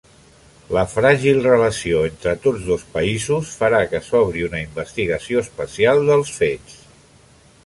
La fràgil relació entre tots dos països farà que s'obri una investigació especial dels fets.